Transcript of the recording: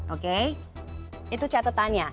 oke itu catatannya